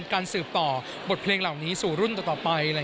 การสืบต่อบทเพลงเหล่านี้สู่รุ่นต่อไป